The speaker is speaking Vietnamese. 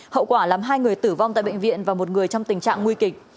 hậu quả làm hai người tử vong tại bệnh viện và một người trong tình trạng nguy kịch